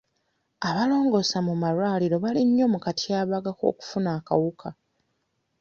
Abalongoosa mu amalwariro bali mmyo mu katyabaga k'okufuna akawuka.